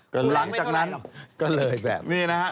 ก็เลยแบบนี้นะฮะ